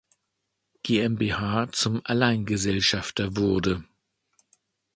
GmbH zum Alleingesellschafter wurde.